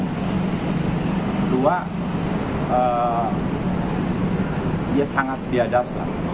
kedua dia sangat diadap